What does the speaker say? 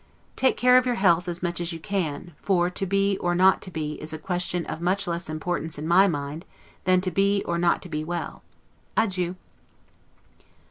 Take care of your health as much as you can; for, To BE, or NOT To BE, is a question of much less importance, in my mind, than to be or not to be well. Adieu.